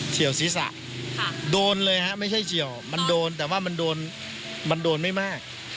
ี่ยวศีรษะโดนเลยฮะไม่ใช่เฉียวมันโดนแต่ว่ามันโดนไม่มาก